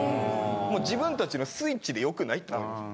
もう自分たちのスイッチで良くない？と思います。